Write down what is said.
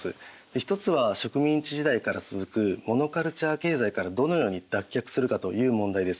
一つは植民地時代から続くモノカルチャー経済からどのように脱却するかという問題です。